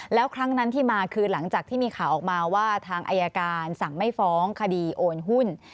แล้วครั้งนั้นที่มาคือหลังจากที่มีข่าวออกมาว่าทางอายการสั่งไม่ฟ้องคดีโอนหุ้น